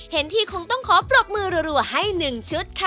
เห็นทีคงต้องขอปรบมือรัวให้๑ชุดค่ะ